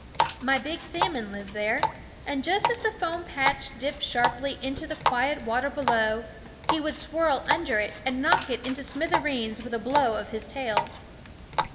My big salmon lived there ; and just as the foam patch dipped sharply into the quiet water below, he would swirl under it and knock it into smithereens with a blow of his tail.